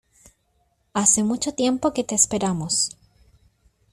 Hace mucho tiempo que te esperamos.